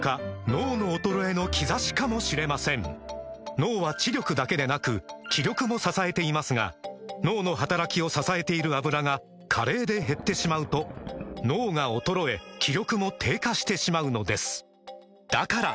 脳の衰えの兆しかもしれません脳は知力だけでなく気力も支えていますが脳の働きを支えている「アブラ」が加齢で減ってしまうと脳が衰え気力も低下してしまうのですだから！